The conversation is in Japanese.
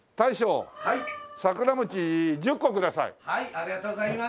ありがとうございます。